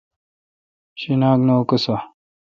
شیناک نہ اکوسہ۔